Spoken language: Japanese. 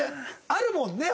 あるもんね